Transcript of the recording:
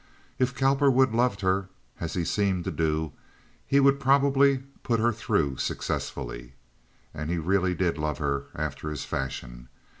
If Cowperwood loved her, as he seemed to do, he would probably "put her through" successfully. And he really did love her, after his fashion.